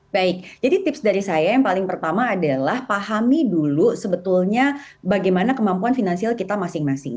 baik jadi tips dari saya yang paling pertama adalah pahami dulu sebetulnya bagaimana kemampuan finansial kita masing masing